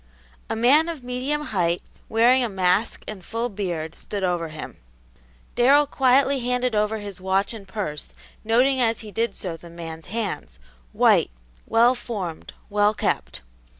A man of medium height, wearing a mask and full beard, stood over him. Darrell quietly handed over his watch and purse, noting as he did so the man's hands, white, well formed, well kept.